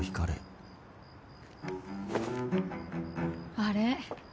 あれ？